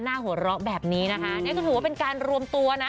หน้าหัวรกแบบนี้นะฮะนี่ถูกว่าเป็นการรวมตัวนะ